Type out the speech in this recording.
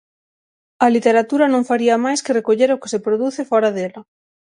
A literatura non faría máis que recoller o que se produce fóra dela.